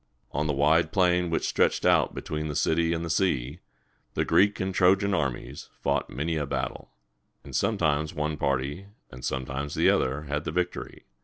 On the wide plain which stretched out between the city and the sea, the Greek and Tro´jan armies fought many a battle; and sometimes one party, and sometimes the other, had the victory.